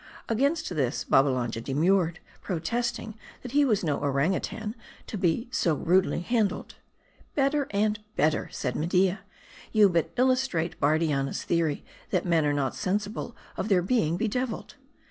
Against this, Babbalanja demurred, protesting that he was no orang outang, to be so rudely handled. " Better and better," said Media, " you but illustrate Bardianna's theory ; that men are not sensible of their being bedeviled."